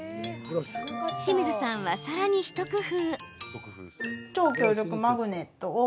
清水さんは、さらに一工夫。